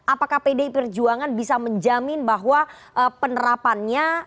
apakah pdi perjuangan bisa menjamin bahwa penerapannya